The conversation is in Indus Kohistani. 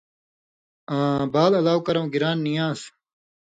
آں بال الاؤ کرؤں گِران نی آن٘س۔